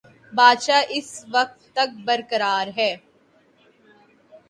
بادشاہ اس وقت تک برقرار ہے۔